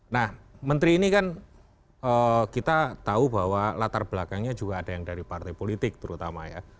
nah menteri ini kan kita tahu bahwa latar belakangnya juga ada yang dari partai politik terutama ya